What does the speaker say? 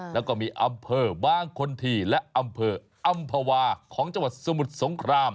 แล้วก็มีอำเภอบางคนทีและอำเภออำภาวาของจังหวัดสมุทรสงคราม